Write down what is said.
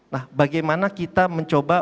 nah bagaimana kita mencoba